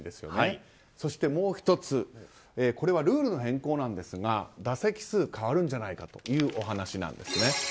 そして、もう１つルールの変更ですが打席数が変わるんじゃないかというお話です。